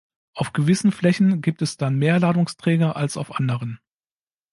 Auf gewissen Flächen gibt es dann mehr Ladungsträger als auf anderen.